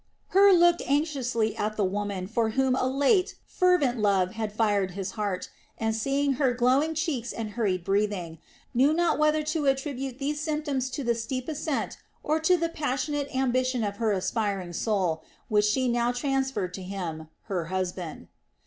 Hur looked anxiously at the woman for whom a late, fervent love had fired his heart, and seeing her glowing cheeks and hurried breathing, knew not whether to attribute these symptoms to the steep ascent or to the passionate ambition of her aspiring soul, which she now transferred to him, her husband.